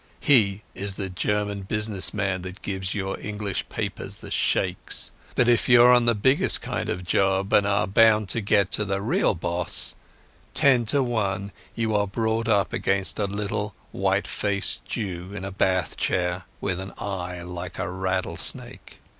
He is the German business man that gives your English papers the shakes. But if you're on the biggest kind of job and are bound to get to the real boss, ten to one you are brought up against a little white faced Jew in a bath chair with an eye like a rattlesnake.